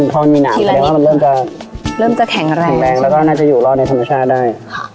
พอมีหนาวเริ่มจะเริ่มจะแข็งแรงแล้วก็น่าจะอยู่รอดในธรรมชาติได้